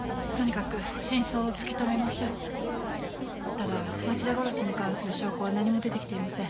ただ町田殺しに関する証拠は何も出てきていません。